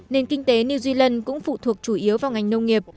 nền kinh tế new zealand cũng phụ thuộc chủ yếu vào ngành nông nghiệp